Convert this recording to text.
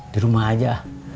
di rumah aja